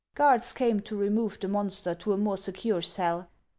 Guards came to remove the monster to a more secure cell.